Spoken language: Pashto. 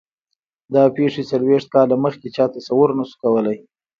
دا پېښې څلوېښت کاله مخکې چا تصور نه شو کولای.